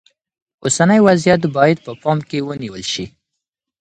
اوسنی وضعیت باید په پام کې ونیول شي.